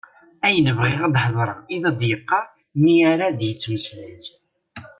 Ayen bɣiɣ ad hedreɣ i d-yeqqar mi ara d-yettmeslay.